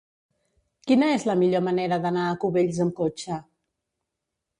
Quina és la millor manera d'anar a Cubells amb cotxe?